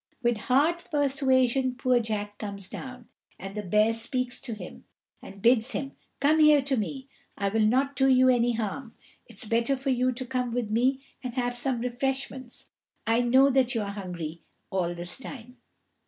With hard persuasion poor Jack comes down, and the bear speaks to him and bids him "Come here to me; I will not do you any harm. It's better for you to come with me and have some refreshments; I know that you are hungry all this time."